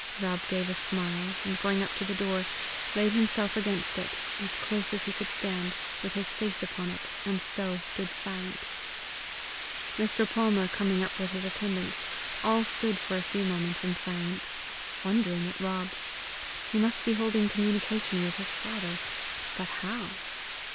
Rob gave a smile, and going up to the door, laid himself against it, as close as he could stand, with his face upon it, and so stood silent. Mr. Palmer coming up with his attendants, all stood for a few moments in silence, wondering at Rob: he must be holding communication with his father but how?